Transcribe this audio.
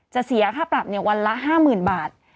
จะเสียค่าปรับเนี่ยวันละ๕หมื่นบาท